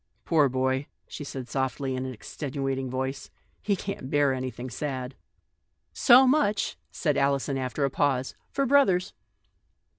" Poor boy," she said softly, in an extenua ting voice, " he can't bear anything sad !"" So much," said Alison after a pause, " for brothers."